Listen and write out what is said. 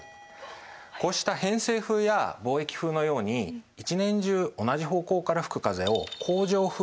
こうした偏西風や貿易風のように一年中同じ方向から吹く風を恒常風というふうにいいます。